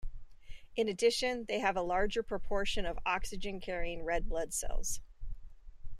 In addition, they have a larger proportion of oxygen-carrying red blood cells.